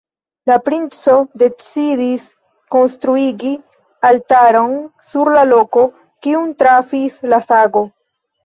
La princo decidis konstruigi altaron sur la loko, kiun trafis la sago.